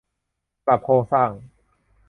ปรับโครงสร้าง